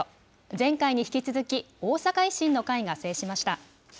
前回に引き続き、大阪維新の会が制しました。